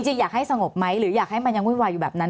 จริงอยากให้สงบไหมหรืออยากให้มันยังวุ่นวายอยู่แบบนั้น